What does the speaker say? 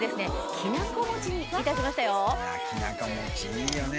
きなこ餅いいよね。